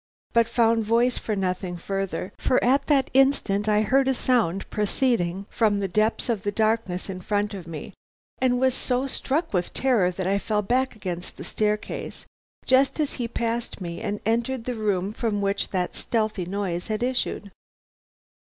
but found voice for nothing further, for at that instant I heard a sound proceeding from the depths of darkness in front of me, and was so struck with terror that I fell back against the staircase, just as he passed me and entered the room from which that stealthy noise had issued.